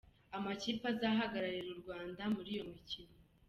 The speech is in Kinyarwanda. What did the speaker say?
Amakipe azahagararira u Rwanda muri iyo mikino :.